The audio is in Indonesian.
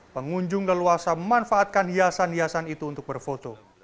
pengunjung leluasa memanfaatkan hiasan hiasan itu untuk berfoto